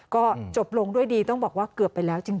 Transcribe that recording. ก็จบลงด้วยดีต้องบอกว่าเกือบไปแล้วจริง